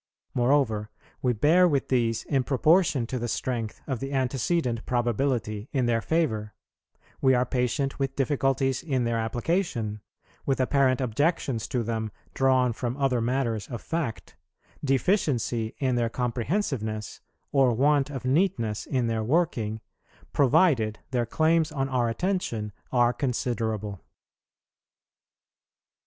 Moreover, we bear with these in proportion to the strength of the antecedent probability in their favour, we are patient with difficulties in their application, with apparent objections to them drawn from other matters of fact, deficiency in their comprehensiveness, or want of neatness in their working, provided their claims on our attention are considerable.